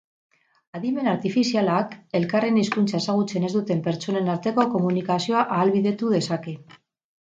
Adimen artifizialak elkarren hizkuntza ezagutzen ez duten pertsonen arteko komunikazioa ahalbidetu dezake.